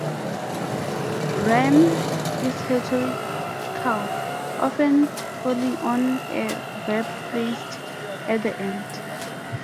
Rhythm is rhetorical, often falling on a verb placed at the end.